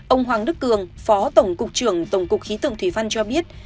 ông hoàng đức cường phó tổng cục trưởng tổng cục khí tượng thủy văn cho biết